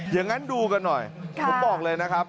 อย่างนั้นดูกันหน่อยผมบอกเลยนะครับ